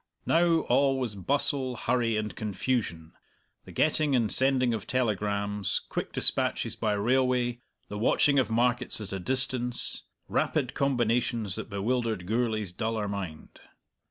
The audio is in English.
Now all was bustle, hurry, and confusion, the getting and sending of telegrams, quick dispatches by railway, the watching of markets at a distance, rapid combinations that bewildered Gourlay's duller mind.